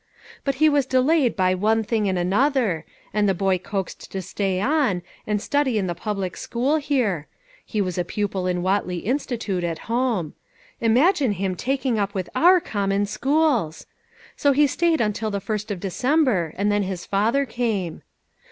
" But he was delayed by one thing and another, and the boy coaxed to stay on, and study in the public school here ; he was a pupil in Whately Institute at home. Imagine him taking up with our common schools ! so he stayed until the first of December, and then his father came.